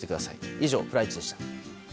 以上、プライチでした。